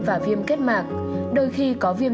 và viêm kết mạc đôi khi có viêm